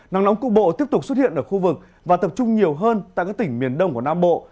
nắng nóng cục bộ tiếp tục xuất hiện ở khu vực và tập trung nhiều hơn tại các tỉnh miền đông của nam bộ